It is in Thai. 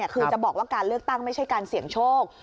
คือจะบอกว่าการเลือกตั้งไม่ใช่การเสี่ยงโชค